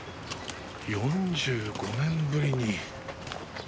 ４５年ぶりに。